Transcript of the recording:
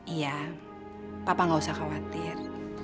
iya papa gak usah khawatir